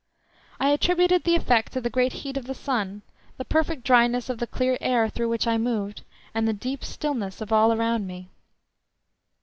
I attributed the effect to the great heat of the sun, the perfect dryness of the clear air through which I moved, and the deep stillness of all around me.